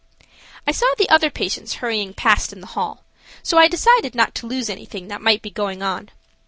I saw the other patients hurrying past in the hall, so I decided not to lose anything that might be going on.